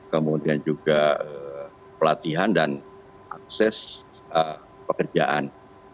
kemudian juga pelatihan dan akses pekerjaan